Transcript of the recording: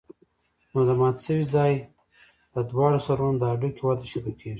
نو د مات شوي ځاى له دواړو سرونو د هډوکي وده شروع کېږي.